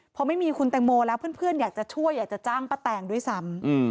พอไม่มีคุณแตงโมแล้วเพื่อนอยากจะช่วยอยากจะจ้างป้าแตงด้วยซ้ำ